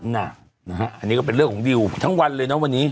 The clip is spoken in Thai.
นะฮะอันนี้ก็เป็นเรื่องของดิวทั้งวันเลยนะวันนี้